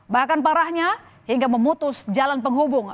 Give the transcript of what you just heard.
bahkan parahnya hingga memutus jalan penghubung